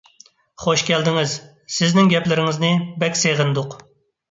خۇش كەلدىڭىز! سىزنىڭ گەپلىرىڭىزنى بەك سېغىندۇق!